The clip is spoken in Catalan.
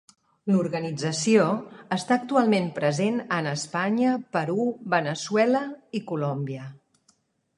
L'organització està actualment present en Espanya, Perú, Veneçuela i Colòmbia.